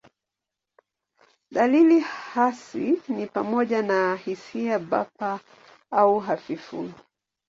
Dalili hasi ni pamoja na hisia bapa au hafifu.